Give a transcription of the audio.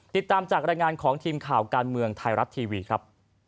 ติดตามจากรายงานของทีมข่าวการเมืองไทยรัฐทีวีครับ